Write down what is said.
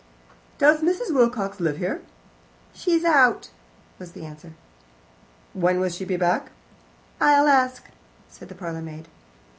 "Does Mrs. Wilcox live here?" he asked. "She's out," was the answer. "When will she be back?" "I'll ask," said the parlourmaid.